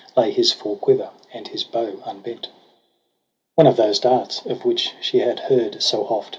Lay his full quiver, and his bow unbent. One of those darts, of which she had heard so oft.